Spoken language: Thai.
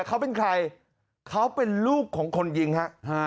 เขาเป็นใครเขาเป็นลูกของคนยิงฮะ